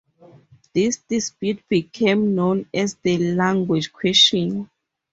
This dispute became known as the Language Question.